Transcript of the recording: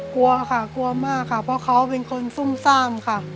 กลัวค่ะกลัวมากค่ะเพราะเขาเป็นคนซุ่มซ่ามค่ะ